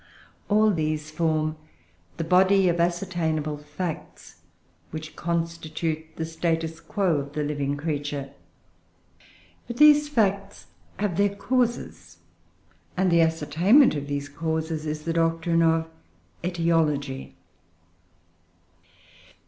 All these form the body of ascertainable facts which constitute the status quo of the living creature. But these facts have their causes; and the ascertainment of these causes is the doctrine of AETIOLOGY.